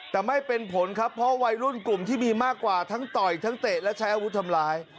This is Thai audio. แต่ไม่เป็นผลครับเพราะวัยรุ่นกลุ่มที่มีมากกว่าทั้งต่อยทั้งเตะและใช้อาวุธทำร้าย